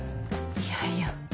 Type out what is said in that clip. いやいや。